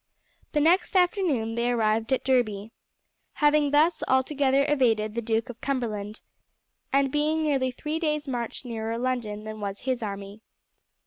The next afternoon they arrived at Derby, having thus altogether evaded the Duke of Cumberland, and being nearly three days' march nearer London than was his army.